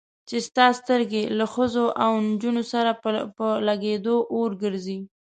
چې ستا سترګې له ښځو او نجونو سره په لګېدو اور ګرځي.